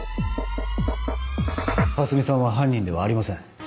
蓮見さんは犯人ではありません。